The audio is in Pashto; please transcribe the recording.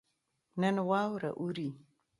نن واوره اوري